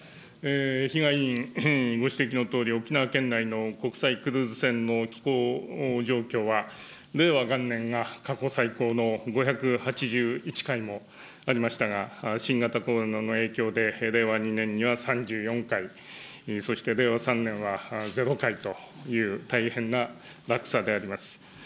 比嘉委員ご指摘のとおり、沖縄県内の国際クルーズ船の寄港の状況は、令和元年が過去最高の５８１回もありましたが、新型コロナの影響で令和２年には３４回、そして令和３年は０回という、大変な落差であります。